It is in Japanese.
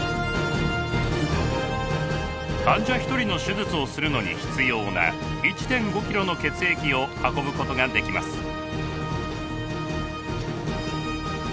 患者１人の手術をするのに必要な１．５ｋｇの血液を運ぶことができます。